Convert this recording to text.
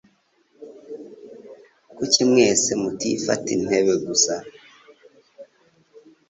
Kuki mwese mutifata intebe gusa?